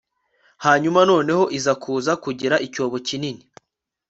hanyuma noneho iza kuza kugira icyobo kinini